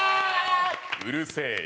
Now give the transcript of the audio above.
うるせえよ。